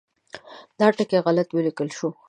دا ټکی غلط ولیکل شو.